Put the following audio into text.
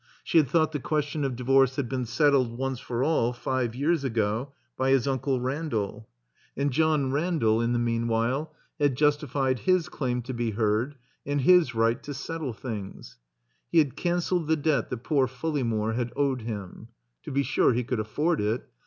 She had thought the question of divorce had been settled once for aU, five years ago, by his Uncle Randall. And John Randall 349 THE COMBINED MAZE • in the meanwhile had jtistified his claim to be heard, and his right to settle things. He had canceled the debt that poor Fulleymore had owed him. To be sure, he could afford it.